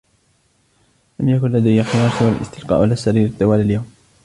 لم يكن لدي خيار سوی الاستلقاء علی السرير طوال اليوم.